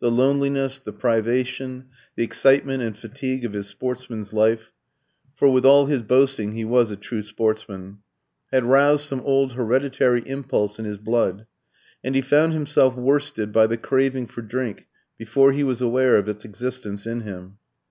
The loneliness, the privation, the excitement and fatigue of his sportsman's life for with all his boasting he was a true sportsman had roused some old hereditary impulse in his blood, and he found himself worsted by the craving for drink before he was aware of its existence in him.